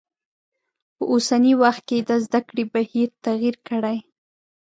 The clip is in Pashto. په اوسنی وخت کې د زده کړی بهیر تغیر کړی.